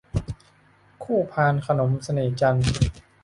คู่พานขนมเสน่ห์จันทร์